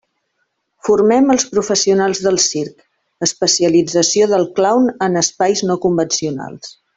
Formem els professionals del circ: especialització del clown en espais no convencionals.